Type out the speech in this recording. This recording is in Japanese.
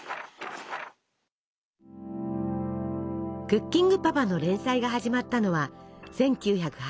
「クッキングパパ」の連載が始まったのは１９８５年。